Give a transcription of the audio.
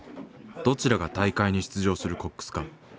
どちらが大会に出場するコックスか。